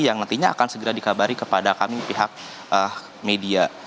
yang nantinya akan segera dikabari kepada kami pihak media